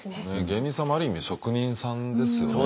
芸人さんもある意味職人さんですよね。